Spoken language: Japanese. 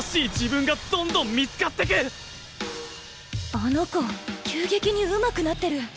あの子急激にうまくなってる！